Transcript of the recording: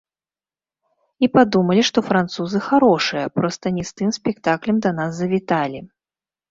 І падумалі, што французы харошыя, проста не з тым спектаклем да нас завіталі.